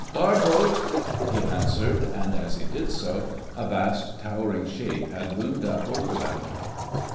"Guard Boat!" he answered, and as he did so a vast towering shape had loomed up over them.